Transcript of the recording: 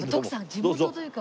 地元というか。